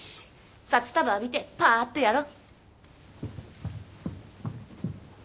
札束浴びてパーっとやろう。